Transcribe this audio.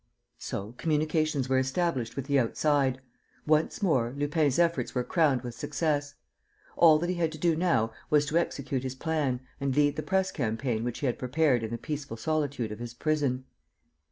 So communications were established with the outside. Once more, Lupin's efforts were crowned with success. All that he had to do now was to execute his plan and lead the press campaign which he had prepared in the peaceful solitude of his prison.